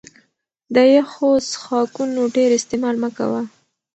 د يخو څښاکونو ډېر استعمال مه کوه